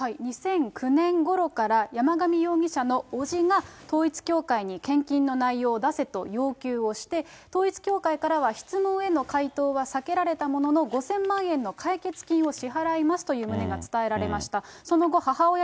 ２００９年ごろから山上容疑者の伯父が、統一教会に献金の内容を出せと要求をして、統一教会からは質問への回答は避けられたものの、５０００万円の解決金を支払いますという旨が伝えられました。